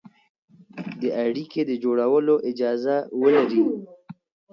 د اړيکې د جوړولو اجازه ولري،